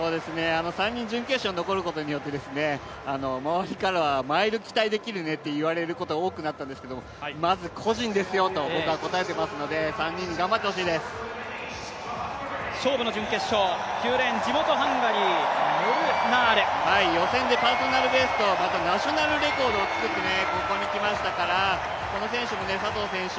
３人準決勝に残ることによって、周りからはマイル期待できるねと言われますが、まず個人ですよと僕は答えてますので勝負の準決勝、９レーン、地元ハンガリー、モルナール。予選でパーソナルベスト、またナショナルレコードを作ってここに来ましたから、この選手も佐藤選手